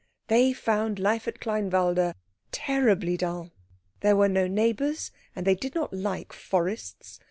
They found life at Kleinwalde terribly dull. There were no neighbours, and they did not like forests.